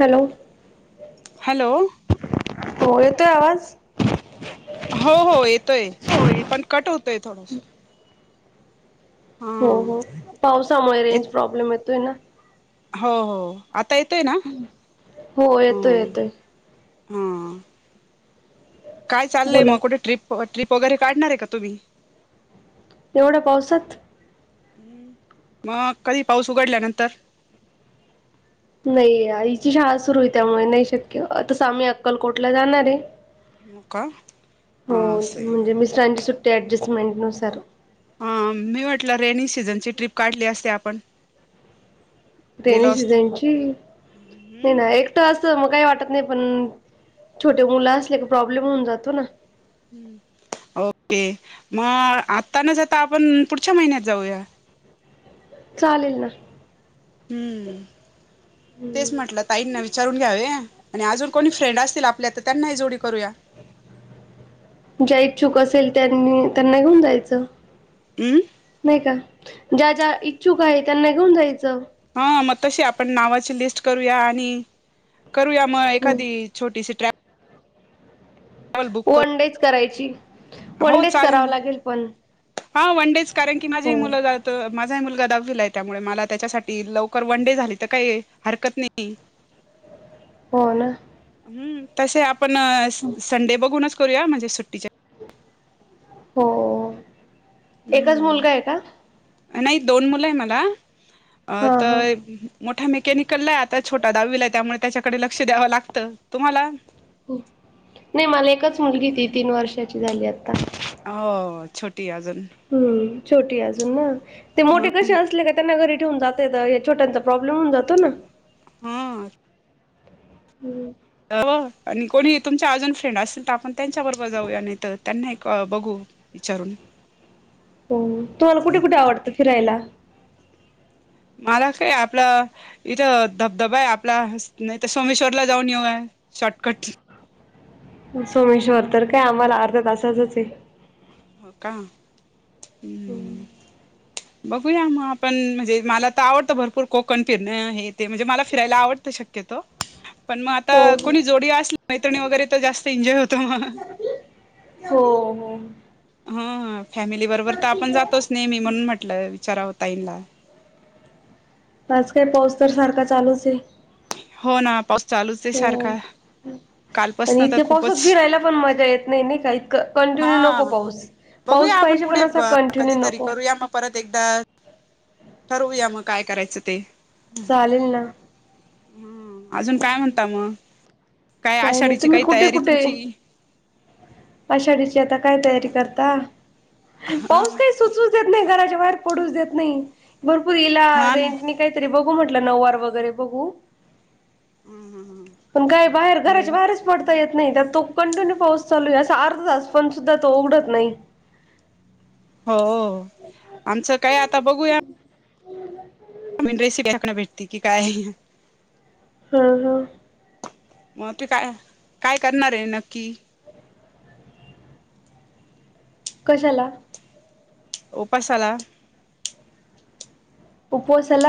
Hello. Hello. हो येतोय आवाज? हो हो येतोय. पण कट होतोय थोडसा. हो हो पावसामुळे येत रेंज प्रॉब्लेम येतोय ना. हो हो आता येतोय ना. हो येतोय ह. येतोय ह. काय चाललय बोला मग कुठे ट्रिप ट्रिप वगैरे काढणारे का तुम्ही? एवढ्या पावसात. म कधी पाऊस उघडल्यानंतर. नाही आईची शाळा सुरूये, त्यामुळे नाही शक्य. तस आम्ही अक्कलकोटला जाणारे. हो का हो अस आहे. म्हणजे मिस्टरांची सुट्टी ऍडजस्टमेंट नुसार. अ मी म्हटलं रेनीगं सीझनची ट्रिप काढली असती आपणं. रेनी सीझनची. नाही हम्म ना एक ट असल मग काही वाटत नाही पण, छोटे मुलं असले का प्रॉब्लेम होऊन जातो ना. ओके मग आता न जाता आपण पुढच्या महिन्यात जाऊया. चालेल ना. हम्म [unintelligible] तेच म्हटलं ताईंना विचारून घ्यावे. आणि अजून कोणी फ्रेंड असतील आपल्या तर त्यांनाही जोडी करूया. ज्या इच्छुक असेल त्यांनी त्यांना घेऊन जायचं. अम्. नाही का? ज्या ज्या इच्छुक आहे. त्यांना घेऊन जायचं. हा म तशी आपण नावाची लिस्ट करूया. आणि करूया म एखादी छोटीशी ट्रप. वन करू डेच करायची. वन हो डेच चालेल करावं ना लागेल पण हा वन डेच कारण की माझी हो ही मुलं जाता त माझाही मुलगा दाहवीला आहे, त्यामुळे मला त्यांच्यासाठी लवकर वन डे झाली तर काही हरकत नाही. [inaudible] हो ना. हम्म तसे आपण संडे बघूनच करूया म्हणजे सुट्टीच्या दि हो एकच मुलगा हम्म आहे का? नाही दोन मुलं आहे मला अ हा हा तर. मोठा मेकॅनिकलला आहे आता छोटा दहावीला आहे, त्यामुळे त्याच्याकडे लक्ष द्यावं लागतं तुम्हाला नाही मला एकच मुलगी ती तीन वर्षाची झाली आता. हो छोटी अजून. हम्म छोटी अजून ना ते ह मोठे कसे असले का त्यांना घरी. ठेवुन जाता येतं छोट्यांचा प्रॉब्लेम होऊन जातो ना. हा. हम् हो आणि कोणी तुमचे अजून फ्रेंड असतील तर आपण त्यांच्या बरोबर जाऊया नाहीतर त्यांना ही बघू. विचारून. हो तुम्हाला कुठे कुठे आवडतं फिरायला. मला काय आपलं. इथं धबधबा आहे आपला नाहीतर सोमेश्वरला जाऊन येऊया शॉर्टकट. सोमेश्वर तर काय आम्हाला अर्ध्या तासचचं आहे. हो का हम्. हो बघूया म आपणं म्हणजे मला तर आवडतं भरपूर कोकण फिरणं हे ते म्हणजे मला फिरायला आवडतं. शक्यतो पण म आता हो कोणी जोडी असली तर मैत्रिणी वगैरे तर जास्त एन्जॉय होतो म हो हो. ह हं फॅमिली बरोबर तर आपण जातोच नेहमी म्हणून म्हटलं विचाराव ताईनला. आज काय पाऊस तर सारखा चालूच आहे. हो ना पाऊस चालूच आहे सारखा. आणि कालपासन तर इथल्या खूपच पाऊसात भिरायला पण मजा येत नाही नाही का इतकं हा कंटिन्यू नको पाऊस. बघूया पाऊस आपण पाहिजे पण पुढे असा कंटिन्यू कधीतरी नको. करूया मग परत एकदा ठरवूया म काय करायचं ते चालेल ना. हम अजून काय म्हणता मग. काय काही नाही आषाढीची तुम्ही कुठे तयारी कुठे. तुमची आषाढीची आता काय तयारी करता पाऊस काय सुचू नाही घराच्या बाहेर पडच देत नाही भरपूर इला हा ना रेंट. काहीतरी बघू म्हटलं नऊवार वगैरे बघू. पण काय बाहेर नाही घराच्या बाहेरच पडता येत नाही तर तो कंटिन्यू पाऊस चालू आहे. सार्थास पण सुद्धा तो उघडत नाही. हो आमचं काय आता बघूया. ब. न्रस कायकना भेटती की काय. हा हा. मग तेू काय काय करणार आहे नक्की. कशाला? उपासाला. उपवासाला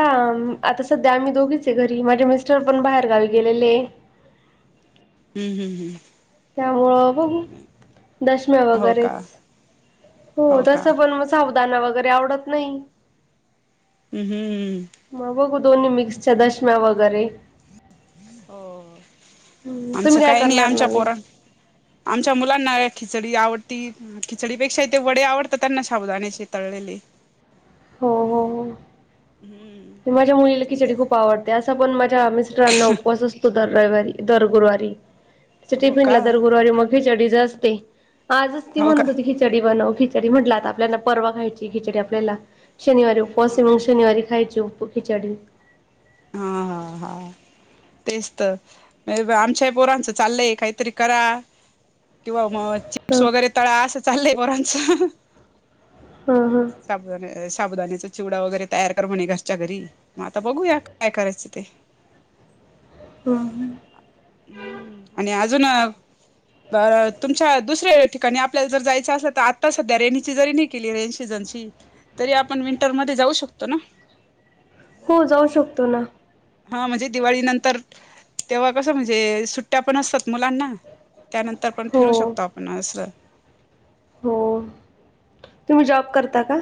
आता सध्या आम्ही दोघीच आहे घरी माझे मिस्टर पण बाहेर गावी गेलेले. हम्म हम् हम्. त्यामुळं बघू दशम्या हो का वगैरेच हो का तस हम्म पण म साबूदाना वगैरे आवडत नाही. हम्. मग बघू दोन्ही मिक्सच्या दशम्या वगैरे. हो - तुम्ही आमचं काय काही नाही करणार आमच्या नवीन? पोराण आमच्या मुलांना खिचडी आवडती. खिचडीपेक्षा ते वडे आवडतात त्यांना शाबूदाण्याचे तळलेले. हम्म. ते माझ्या मुलीला नाही खिचडी तर खूप आवडते असा पण माझ्या मिस्टरांना उपवास असतो. दर रविवारी दर -गुरुवारी हो टिफिन का ला दर गुरुवारी मग खिचडीच असते. आजच ती हो का म्हणत होती खि चडी -बनव खिचडी म्हटला आपल्याला परवा खायची खिचडी आपल्याला शनिवारी हा उपवासये मगं शनिवारी खायची उप खिचडी. हा हा हा. तेच तर आमच्याही पोरांचं चाललंय काहीतरी करा. किंवा मग चिप्स ह वगैरे तळा असं चाललंय पोरांच. हा हां. साबुदाना अ- साबुदाण्याचा चिवडा वगैरे तयार कर म्हणे घरच्या घरी मग आता बघूयात. काय करायचं ते. [unintelligible] हम् आणि अजून अ -तुमच्या दुसऱ्या ठिकाणी आपल्याला जर जायचं असल तर आता सध्या रेणीची जरी केली रेनी सीझनची तरी आपण विंटरमध्ये जाऊ शकतो ना? हो जाऊ शकतो ना. हा म्हणजे दिवाळी नंतर तेव्हा कसं म्हणजे सुट्ट्या पण असतात मुलांना. त्यानंतर पण हो फिरू शकतो आपण असं. हो, तुम्ही जॉब करता का?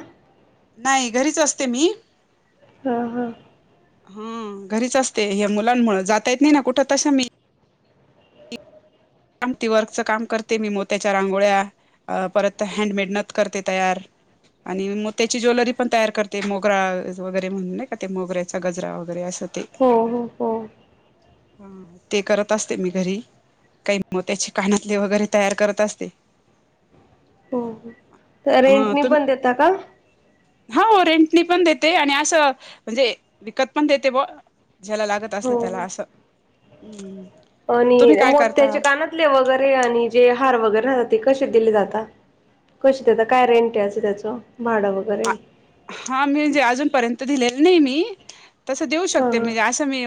नाही घरीच असते मी. हां हां. हा घरीच असते हे मुलांमुळे जाता येत नाय ना कुठं तस मी कामती वर्कच काम करते मी मोत्याच्या रांगोळ्या अ -परत हँडमेड नत करते तयार. आणि मोत्याची ज्वेलरी पण तयार करते मोगरा वगैरे म्हणून नाय का ते मोगऱ्याचा गजरा वगैरे असं ते. हो हो हो. हा ते करत असते मी घरी. मग त्याचे कानातले वगैरे तयार करत असते. हो हो -तर रेंटनी तुम पण देता का? हा हो रेंटनी पण देते आणि असं म्हणजे विकत पण देते बो. ज्याला लागत असल हो त्याला हो असं हम्, तुम्ही काय करता? ले वगैरे आणि जे हार वगैरे राहते कशे दिले जाता? कशी देता काय रेंट याचं त्याचं भाडं वगैरे? हा मी म्हणजे अजूनपर्यंत दिलेलं नाही मी तसं देऊ हा शकते हा म्हणजे अस. ति मी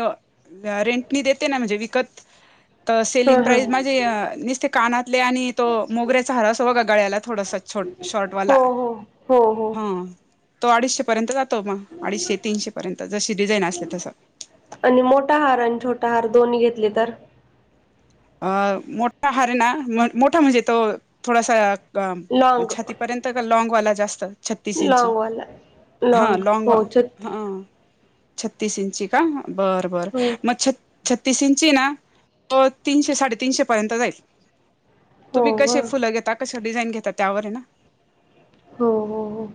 रेंट ने देते ना म्हणजे विकत तर सेलिंग हा हा प्राइस माझी. ते अ नुसते कानातले आणि. तो मोगऱ्याचा हार अस बघ गळ्याला थोडसा छोटा हो शॉर्टवाला हो हो हो हा. तो अडीचशे पर्यंत जातो मग अडीचशे तीनशे पर्यंत जशी डिझाईन असली तस. आणि मोठा हार आणि छोटा हार दोन्ही घेतले तर. अ मोठा हार ना मोठा म्हणजे तो थोडासा लॉंग छातीत. पर्यंत का लँगवाला जास्त. छत्तीस इंची लॉंगवाला हा लॉंग लॉग व हो छत्ती हा. छत्तीस इंची का बरं बर हो मग छत्तीस इंची ना तो. तीनशे साडेतीनशेपर्यंत जाईल तुम्ही हो का कसे फुलं घेता कशं डिझाईन घेता त्यावर आहे ना. हो हो हो,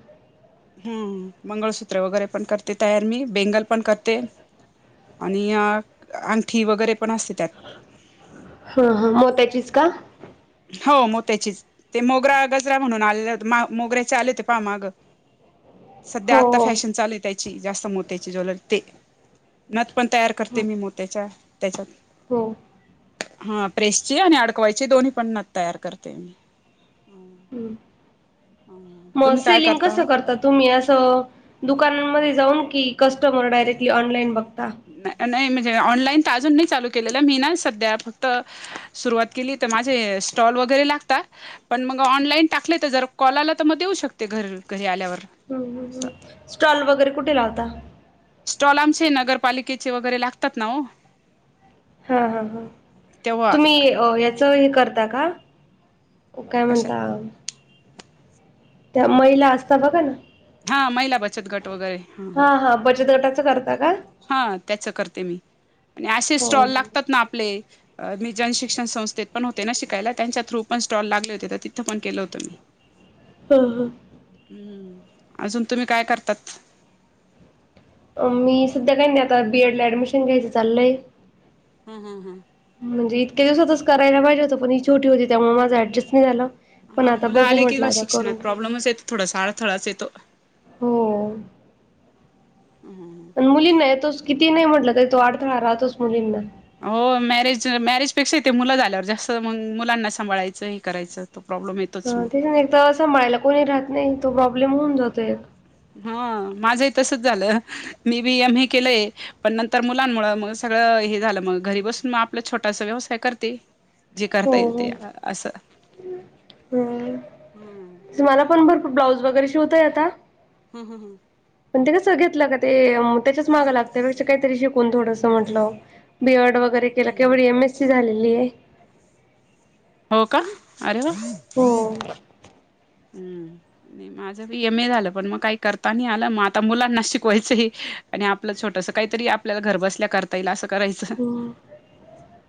हम मंगळसूत्र वगैरे पण करते तयार मी बेंगल पण करते. आणि यात अंगठी वगैरे पण असते त्यात. हा हा मोतचीच का. हो मोत्याचीच ते मोगरा गजरा म्हणून आले मोगऱ्याचे आले होते पहामाग. सध्या हो आता हो फॅशन चाल हाय त्याची जास्त मोत्यायची ज्वेलरी ते. नत पण तयार करते हो मी मोत्याच्या त्याच्यात. हो, हा प्रेसची आणि अडकवायची दोन्ही पणना तयार करते. मग तुम्ही काय सेलिंग करता कसं करतात. तुम्ही असं दुकानामध्ये जाऊन की कस्टमर डायरेक्टली ऑनलाईन बघता. नाही म्हणजे ऑनलाईन तर अजून नाही चालू केलेलं मी ना सध्या फक्त. सुरुवात केली तर माझे स्टॉल वगैरे लागतात. पण मग ऑनलाईन टाकले तर जर कॉल आला तर मग देऊ शकते घरी घरी आल्यावर. हं हं हं, असं स्टॉल वगैरे कुठे लावता. स्टॉल आमचे नगरपालिकेचे वगैरे लागतात ना हो. हा हा हा, तेव्हा तुम्ही याचं हे करता का. काय कशा म्हणतात. त्या महिला असतात बघ ना हा महिला बचत गट वगैरे हा हा बचत गटाच करत. त का. हा त्याच करते मी आणि असे हो. स्टॉल हो. लागतात ना आपले. मी जनशिक्षण संस्थेत पण होते ना शिकायला त्यांच्या. थ्रू पण स्टॉल लागले होते तर तिथं पण केलं होतं मी [inaudible] हा हा, हम्म अजून तुम्ही काय करतात. मी सध्या काही नाही आता बीएड ला ऍडमिशन घ्यायचं चाललंय. हम हम हम. म्हणजे इतक्या दिवसातच करायला पाहिजे होत पण ही छोटी होती त्यामुळे माझं ऍडजस्ट नाही झाला. हा मुला आले की का शिक्षात प्रॉब्लेमच येतो थोडा साडथळाच येतो. हो, पण मुलींना तोच किती नाही म्हटलं का तो अडथळा राहतोच मुलींना. हो मॅरेज मॅरेजपेक्षा इथे मुलं झाल्यावर जास्त म मुलांना सांभाळायचं हे करायचं. तो प्रॉब्लेम येतो. अ ती काय एक तर समाळायला कोणी राहत नाही तो प्रॉब्लेम होऊन जातोय. हा माझं ही तसच झालं मी बी एम ए केलंय. पण नंतर मुलांमुळे मग सगळं हे झालं मग घरी बसून मग आपलं छोटासा व्यवसाय करते. जे करता येईल ते असं. हम्म मला पण भरपूर ब्लाऊज वगैरे शिवता येता. ह ह ह. पण ते कसं घेतलं का ते अम त्या माग लागते घरचे काहीतरी शिकून थोडसं म्हटलं बी एड वगैरे केलं केवढी एम एस सी शी झालेली आहे. हो का अरे वा. हम्म. हम्म. माझं बी एम ए झालं पण मग काही करता नाही आलं मग आता मुलांना शिकवायचं ये. आणि आपलं छोटस काहीतरी आपल्याला घर बसल्या कर ता येईल असं करायचं हम्म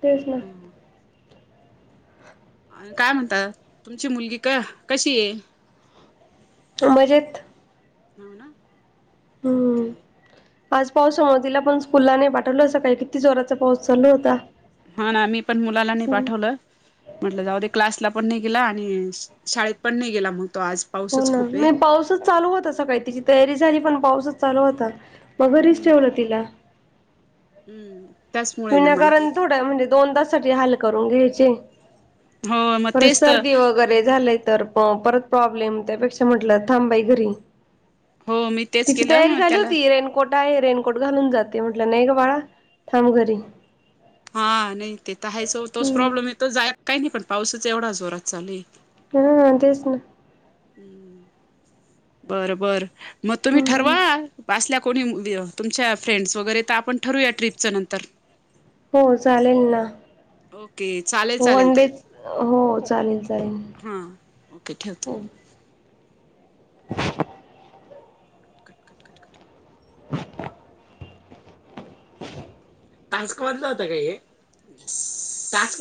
तेच ना हम्म. आणि काय म्हणतात तुमची मुलगी क कशी आहे. मजेत. हो ना हम्म. ओके. आज पावसामुळे तिला पण स्कूला नाही पाठवल असं काही किती जोराचा पाऊस चालू होता. हो ना मी पण मुलाला नाही पाठवलं. म्हटलं जाऊ दे क्लासला पण नाही गेला आणि शाळेत पण नाही गेला मग तो आज. हो पाऊसच ना खूप आहे नाही पाऊसच चालू होता सकाळी तिची तयारी झाली पण पाऊसच चालू होता. म घरीच हम्म ठेवलं तिला. हम्म. त्याचमुळे ना मला काही विनाकारण थोडं म्हणजे दोन दा साठी हाल करून घ्यायचे. हो मग परत तेच तर सर्दी वग रे झालंय तर प परत प्रॉब्लेम त्यापेक्षा म्हटलं थांब बाई घरी. हो मी तेच तिची केलं तयारी मग झाली त्याला होती रे कोट आहे रेनकोट घालून जाते म्हटलं नाही ग बाळा थांब. घरी हा नाही तेेत आहेच ओ तोच हम्म प्रॉब्लम येत तो जायात काही नाही पण पावसाच एवढा जोरात चालुये. हम्म तेच ना. बर बर म तुम्ही हम्म ठरवा असल्या कोणी [inaudible] तुमच्या फ्रेंड्स वगैरे तर आपण ठरूया ट्रीपचं नंतर. हो चालेल ना. ओके चालेल चालेल वन ताई डेच हो चालेल चालेल हा. ओके ठेवते. [inaudible] [unintelligible] [inaudible] आज कॉल न होता का हे. [unintelligible]